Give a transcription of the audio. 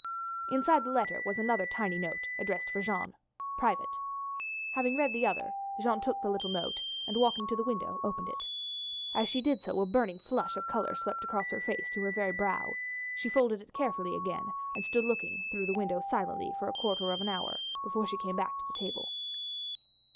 Inside the letter was another tiny note addressed for Jeanne, "Private." Having read the other Jeanne took the little note and walking to the window opened it. As she did so a burning flush of colour swept across her face to her very brow. She folded it carefully again and stood looking through the window silently for another quarter of an hour before she came back to the table.